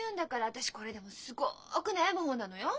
私これでもすごく悩む方なのよ。